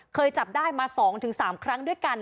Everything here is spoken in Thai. เคยจับได้มา๒๓ครั้งด้วยกัน